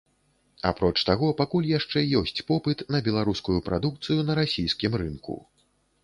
Апроч таго, пакуль яшчэ ёсць попыт на беларускую прадукцыю на расійскім рынку.